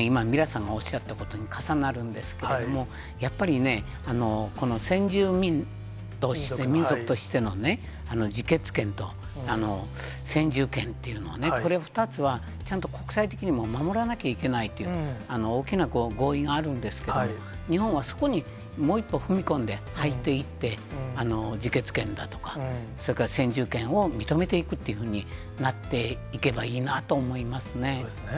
今、ミラさんがおっしゃったことに重なるんですけれども、やっぱりね、先住民族としてのね、自決権と、先住権っていうのはね、これ、２つは、ちゃんと国際的にも守らなきゃいけないという大きな合意があるんですけれども、日本はそこにもう一歩踏み込んで、入っていって、自決権だとか、それから先住権を認めていくっていうふうになっていけばいいなとそうですね。